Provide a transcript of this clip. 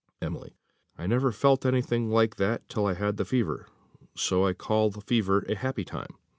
Emily. "I never felt anything like that till I had the fever, so I call the fever a happy time."